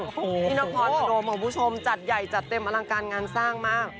ที่นครพนมคุณผู้ชมจัดใหญ่จัดเต็มอลังการงานสร้างมาก